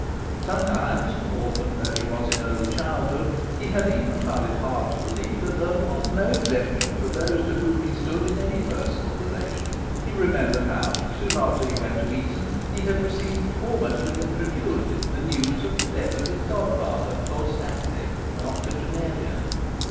Sometimes (orphaned though he was in early childhood) he had even found it hard to believe there was no exemption for those to whom he stood in any personal relation. He remembered how, soon after he went to Eton, he had received almost with incredulity the news of the death of his god father, Lord Stackley, an octogenarian....